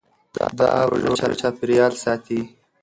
دا پروژه چاپېریال ساتي.